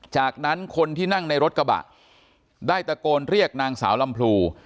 จากนั้นคนที่นั่งในรถกระบะได้ตะโกนเรียกนางสาวลำพลู